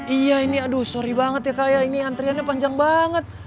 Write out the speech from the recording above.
iya ini aduh sorry banget ya kaya ini antriannya panjang banget